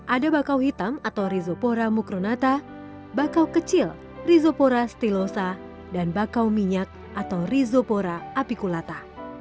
ada bakau hitam atau rhizophora mucronata bakau kecil rhizophora stilosa dan bakau minyak atau rhizophora apiculata